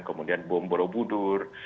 kemudian bom borobudur